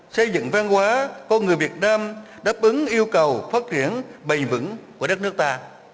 xây dựng văn hóa con người việt nam đáp ứng yêu cầu phát triển bày vững của đất nước ta